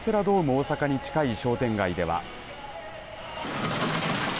大阪に近い商店街では。